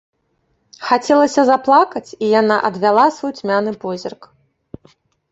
Хацелася заплакаць, і яна адвяла свой цьмяны позірк.